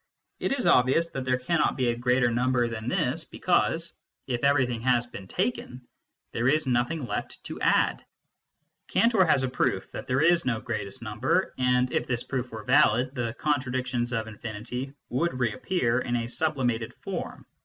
It is obvious that there cannot be a greater number than this, because, MATHEMATICS AND METAPHYSICIANS 89 if everything has been taken, there is nothing left to add. Cantor has a proof that there is no greatest number, and if this proof were valid, the contradictions of infinity would reappear in a sublimated form.